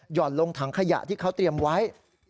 ่อนลงถังขยะที่เขาเตรียมไว้